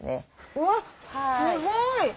うわっすごい！